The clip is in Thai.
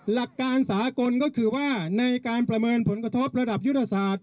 หลักการสากลก็คือว่าในการประเมินผลกระทบระดับยุทธศาสตร์